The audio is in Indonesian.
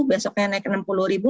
besoknya naik rp enam puluh ribu